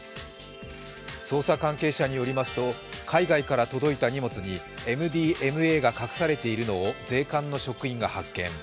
捜査関係者によりますと海外から届いた荷物にＭＤＭＡが隠されているのを税関の職員が発見。